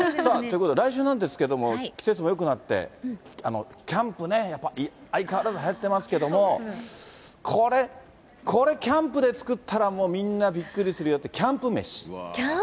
来週なんですけども、季節もよくなって、キャンプね、やっぱり相変わらずはやってますけども、これ、これ、キャンプで作ったらもうみんなびっくりするよっていう、キャンプ飯。